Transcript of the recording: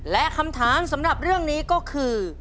และคำถามสำหรับเรื่องนี้ก็คือ